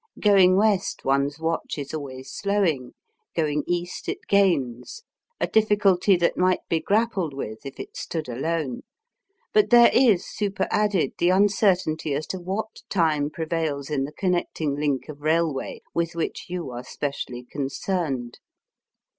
Going West one's watch is always slowing ; going East it gains — a diffi culty that might be grappled with if it stood alone. But there is superadded the uncer tainty as to what time prevails in the connect ing link of railway with which you are specially concerned.